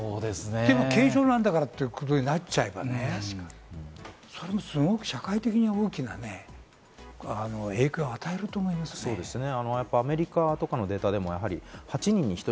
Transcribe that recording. でも、軽症なんだからということになっちゃえばね、それもすごく社会的に大きなね、影響を与えると思いますね。